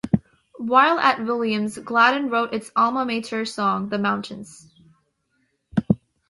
While at Williams, Gladden wrote its alma mater song, The Mountains.